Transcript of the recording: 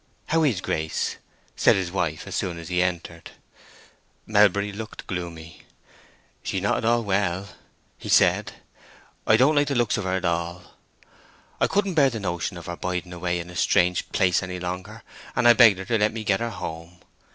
"How is Grace?" said his wife, as soon as he entered. Melbury looked gloomy. "She is not at all well," he said. "I don't like the looks of her at all. I couldn't bear the notion of her biding away in a strange place any longer, and I begged her to let me get her home.